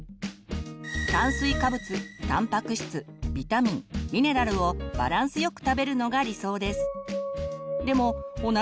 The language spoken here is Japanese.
炭水化物たんぱく質ビタミン・ミネラルをバランスよく食べるのが理想です。